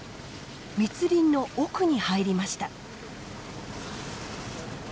密林の奥に入りました。